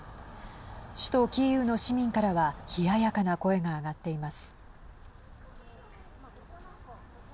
首都キーウの市民からは冷ややかな声が上がっています。